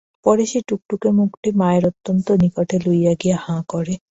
পরে সে টুকটুকে মুখটি মায়ের অত্যন্ত নিকটে লইয়া গিয়া হা করে।